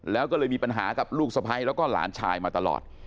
แล้วก็เลยมีปัญหากับลูกสะพ้ายแล้วก็หลานชายมาตลอด